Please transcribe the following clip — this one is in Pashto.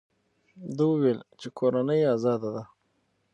ده وویل چې کورنۍ یې ازاده ده.